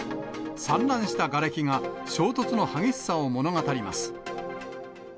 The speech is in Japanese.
散乱したがれきが、衝突の激しさを物語ります。